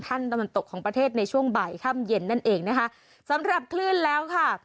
ตะวันตกของประเทศในช่วงบ่ายค่ำเย็นนั่นเองนะคะสำหรับคลื่นแล้วค่ะ